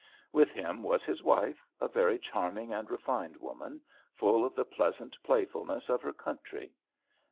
With him was his wife, a very charming and refined woman, full of the pleasant playfulness of her country.